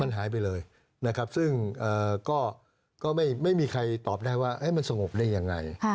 มันหายไปเลยนะครับซึ่งก็ไม่มีใครตอบได้ว่ามันสงบได้ยังไง